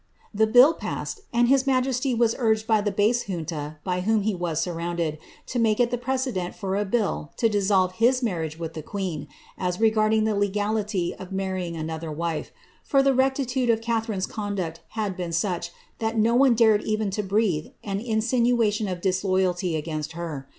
The bill passed, and his majesty was urged by the base junta by whom he was surrounded, to make it the precedent ior a bill to dissolve his marriage with the queen, as regarded the legality of marrying another wife, for the rectitude of Catharine's conduct had been such,' that no one dared even to breathe an insinuation of disloyalty against her.